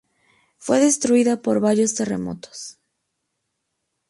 Fue destruida por varios terremotos.